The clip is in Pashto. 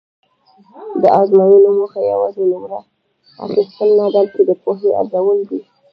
د ازموینو موخه یوازې نومره اخیستل نه بلکې د پوهې ارزول دي.